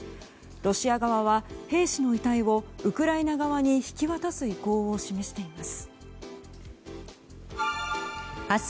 ロシア側は兵士の遺体をウクライナ側に引き渡す意向を示しています。